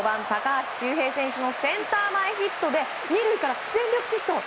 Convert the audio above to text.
高橋周平選手のセンター前ヒットで２塁から全力疾走！